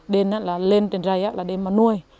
để lên trên rầy là để mà nuôi